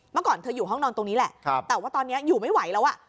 เมื่อก่อนเธออยู่ห้องนอนตรงนี้แหละแต่ว่าตอนนี้อยู่ไม่ไหวแล้วอ่ะ